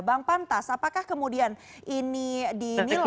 bang pantas apakah kemudian ini dinilai